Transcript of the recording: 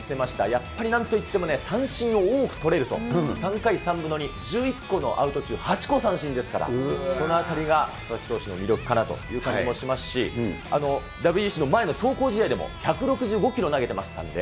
やっぱりなんといってもね、三振を多く取れると、３回３分の２、１１個のアウト中８個三振ですから、そのあたりが佐々木投手の魅力かなという感じもしますし、ＷＢＣの前の壮行試合でも、１６５キロ投げてましたんで。